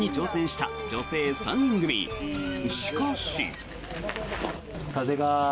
しかし。